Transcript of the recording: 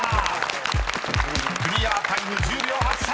［クリアタイム１０秒８３］